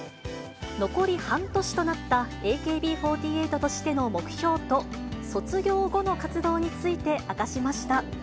残り半年となったＡＫＢ４８としての目標と、卒業後の活動について明かしました。